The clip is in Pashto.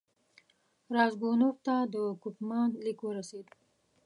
راسګونوف ته د کوفمان لیک ورسېد.